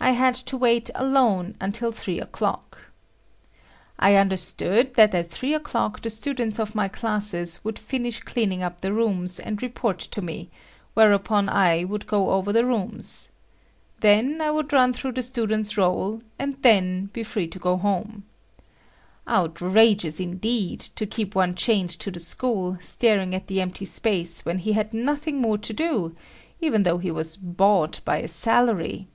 I had to wait alone until three o'clock. I understood that at three o'clock the students of my classes would finish cleaning up the rooms and report to me, whereupon I would go over the rooms. Then I would run through the students' roll, and then be free to go home. Outrageous, indeed, to keep on chained to the school, staring at the empty space when he had nothing more to do, even though he was "bought" by a salary!